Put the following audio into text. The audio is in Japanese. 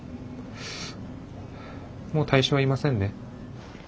もう対象はいませんね？